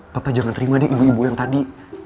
papa jangan terima deh ibu ibu yang tadi